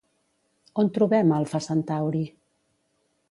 On trobem Alfa Centauri?